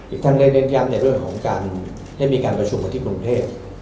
อีกท่านได้เน้นย้ำในเรื่องของการได้มีการประชุมกันที่กรุงเทพ